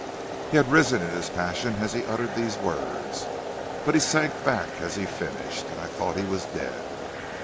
"He had risen in his passion as he uttered these words, but he sank back as he finished, and I thought he was dead.